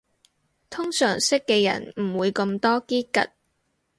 通常識嘅人唔會咁多嘰趷